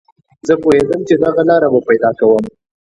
زه پوهېدم چې دغه لاره به پیدا کوم